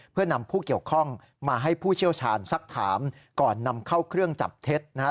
เพื่อนำผู้เกี่ยวข้องมาให้ผู้เชี่ยวชาญสักถามก่อนนำเข้าเครื่องจับเท็จนะฮะ